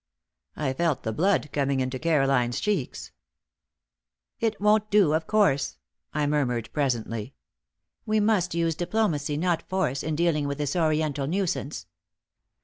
I felt the blood coming into Caroline's cheeks. "It won't do, of course," I murmured, presently. "We must use diplomacy, not force, in dealing with this Oriental nuisance.